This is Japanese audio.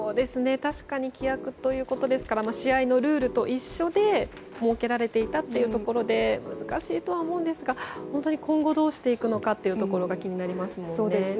確かに規約ということですから試合のルールと一緒で設けられていたというところで難しいとは思うんですが、本当に今後どうしていくのか気になりますね。